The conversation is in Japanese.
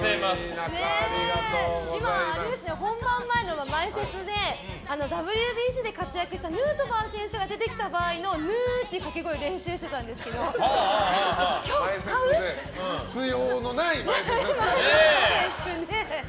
今、本番前の前説でＷＢＣで活躍したヌートバー選手が出てきた場合のヌーっていうかけ声練習してたんですけど必要のない前説でしたね。